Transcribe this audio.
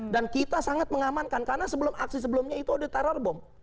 dan kita sangat mengamankan karena sebelum aksi sebelumnya itu ada teror bom